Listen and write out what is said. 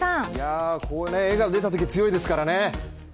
この笑顔が出たとき強いですからね。